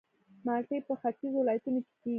مالټې په ختیځو ولایتونو کې کیږي